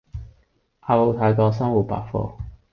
阿布泰國生活百貨